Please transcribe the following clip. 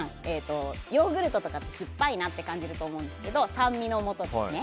ヨーグルトとかって酸っぱいなと感じると思うんですが酸味のもとですね。